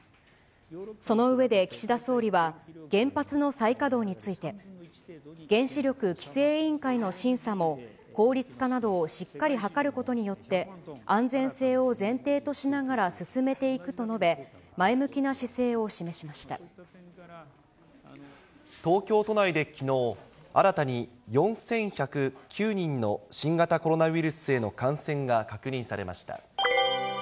そのうえで岸田総理は、原発の再稼働について、原子力規制委員会の審査も効率化などをしっかり図ることによって、安全性を前提としながら進めていくと述べ、前向きな姿勢を示しま東京都内できのう、新たに４１０９人の新型コロナウイルスへの感染が確認されました。